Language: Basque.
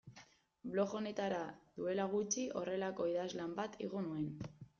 Blog honetara duela gutxi horrelako idazlan bat igo nuen.